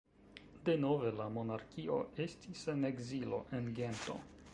Denove la monarkio estis en ekzilo, en Gento.